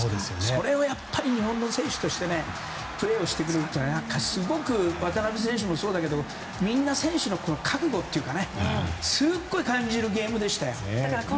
それを日本の選手としてプレーをしてくれるのはすごく渡邊選手もそうだけど選手の覚悟をすごく感じるゲームでしたよ。